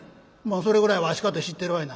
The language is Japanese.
「それぐらいわしかて知ってるわいな」。